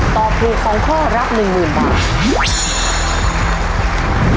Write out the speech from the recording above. ตอบถูก๒ข้อรับ๑๐๐๐บาท